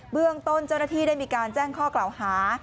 เรื่องต้นเจ้าหน้าที่ได้มีการแจ้งข้อกล่าวหา